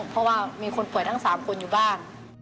เพราะว่ามีคนป่วยทั้ง๓คนอยู่บ้าน